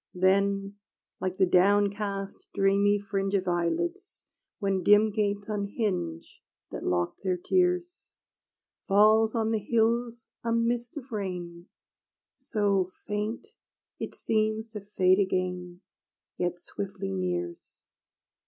Then, like the downcast dreamy fringe Of eyelids, when dim gates unhinge That locked their tears, Falls on the hills a mist of rain, So faint, it seems to fade again; Yet swiftly nears.